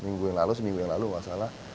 minggu yang lalu seminggu yang lalu masalah